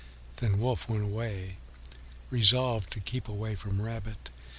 Then Wolf went on his way, resolved to keep away from Rabbit.